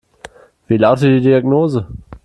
Wie lautet die Diagnose?